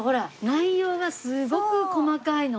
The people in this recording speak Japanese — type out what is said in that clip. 内容がすごく細かいの。